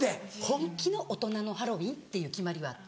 本気の大人のハロウィーンっていう決まりはあって。